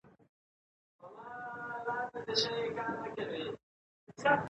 که ښځه مالي مهارتونه زده کړي، نو د عاید کنټرول په لاس کې لري.